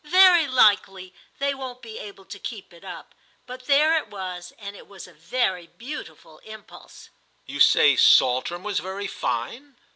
Very likely they won't be able to keep it up, but there it was, and it was a very beautiful impulse." "You say Saltram was very fine?"